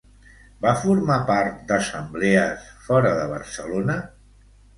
Va formar part d'assemblees fora de Barcelona?